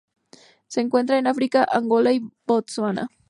Se encuentran en África: Angola y Botsuana.